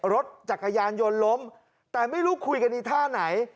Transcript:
รถจักรยานยนต์ล้มแต่ไม่รู้คุยกันอีกท่าไหน